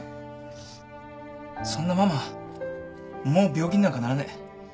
そんなママはもう病気になんかならねえ。